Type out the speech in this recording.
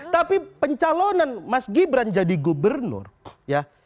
tapi pencalonan mas gibran jadi gubernur ya